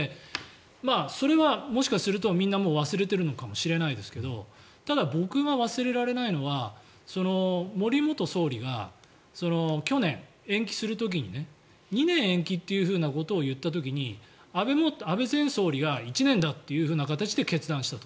それはもしかするとみんなもう忘れてるのかもしれないけどただ、僕が忘れられないのは森元総理が去年、延期する時に２年延期ということを言った時に安倍前総理が１年だという形で決断したと。